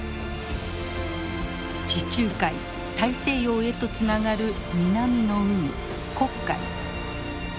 地中海大西洋へとつながる南の海黒海。